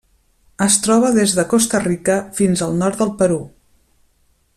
Es troba des de Costa Rica fins al nord del Perú.